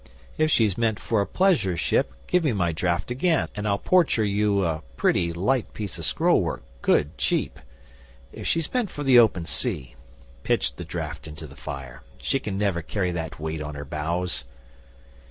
If she's meant for a pleasure ship give me my draft again, and I'll porture you a pretty, light piece of scroll work, good cheap. If she's meant for the open sea, pitch the draft into the fire. She can never carry that weight on her bows."